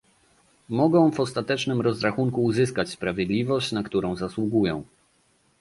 Mogą w ostatecznym rozrachunku uzyskać sprawiedliwość, na którą zasługują